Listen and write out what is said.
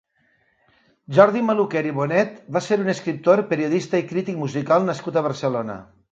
Jordi Maluquer i Bonet va ser un escriptor, periodista i crític musical nascut a Barcelona.